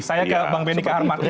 saya kayak bang benika pak herman